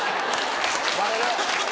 バレる。